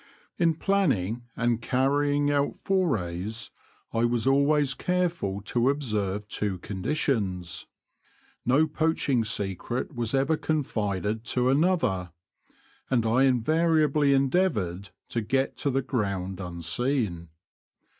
In planning and carrying out forays I was always careful to observe two conditions. No poaching secret was ever confided to another ; and I invariably endeavoured to get to the ground unseen.